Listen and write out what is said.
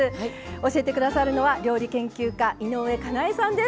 教えて下さるのは料理研究家井上かなえさんです。